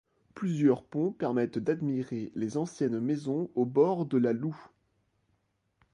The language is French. Plusieurs ponts permettent d'admirer les anciennes maisons au bord de la Loue.